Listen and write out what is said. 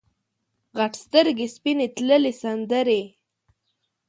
غټ سترګې سپینې تللې سندرې